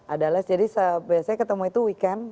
ada les jadi biasanya ketemu itu weekend